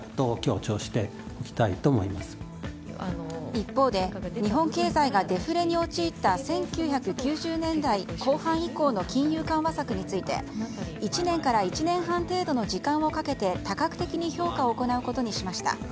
一方で、日本経済がデフレに陥った１９９０年代後半以降の金融緩和策について、１年から１年半程度の時間をかけて多角的に評価を行うことにしました。